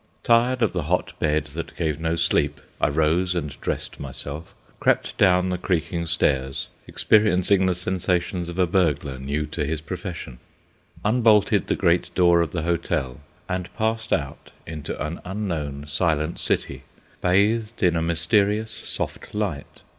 Tired of the hot bed that gave no sleep, I rose and dressed myself, crept down the creaking stairs, experiencing the sensations of a burglar new to his profession, unbolted the great door of the hotel, and passed out into an unknown, silent city, bathed in a mysterious soft light.